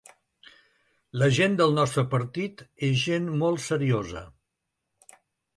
La gent del nostre partit és gent molt seriosa.